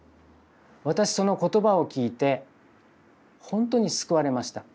私その言葉を聞いてほんとに救われました。